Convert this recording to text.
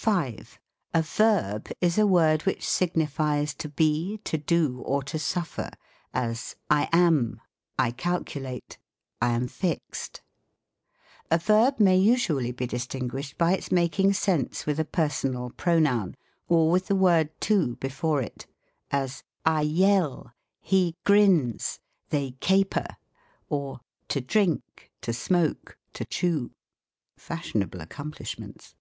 5. A Verb is a word which signifies to be, to do, or to suffer : as, I am ; I calculate; I am fixed. A verb may usually be distinguished by its making sense with a personal pronoun, j3r with the word to before it : as I yell, he grins, they caper ; or to drink, to smoke, to cheio. Fashionable accomplishments